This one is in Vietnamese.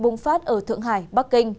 bùng phát ở thượng hải bắc kinh